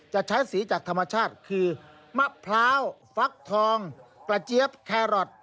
จะใช้สีจากธรรมชาติคือมะพร้าวฟักทองกระเจี๊ยบแครอท